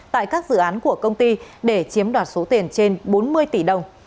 tại các dự án của công ty để chiếm đoạt số tiền trên bốn mươi tỷ đồng